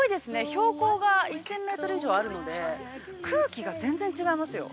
標高が１０００メートル以上あるので空気が全然違いますよ。